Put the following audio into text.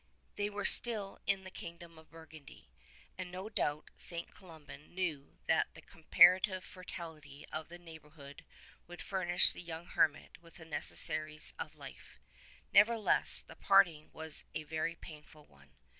They were still in the Kingdom of Burgundy, and no doubt St. Columban knew that the comparative fertility of the neighbourhood would furnish the young hermit with the necessaries of life ; nevertheless, the parting was a very painful one.